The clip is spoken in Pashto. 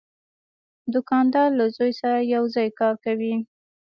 دوکاندار له زوی سره یو ځای کار کوي.